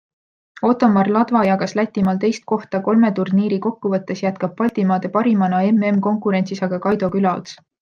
Ottomar Ladva jagas Lätimaal teist kohta, kolme turniiri kokkuvõttes jätkab Baltimaade parimana MM-konkurentsis aga Kaido Külaots.